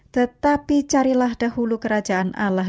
tetapi carilah dahulu kerajaan allah